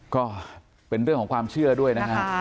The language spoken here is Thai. ก็เป็นเรื่องของความเชื่อด้วยนะครับ